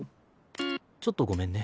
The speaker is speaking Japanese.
ちょっとごめんね。